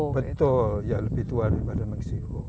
betul ya lebih tua daripada meksiko